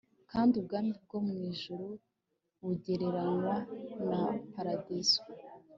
kandi ubwami bwo mu ijuru bugereranywa na paradizo